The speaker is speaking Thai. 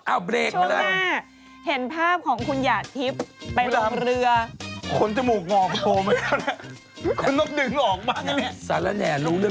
โอเคช่วงหน้าเห็นภาพของขุนหยาดทิปเหมาะไปล่องเรือ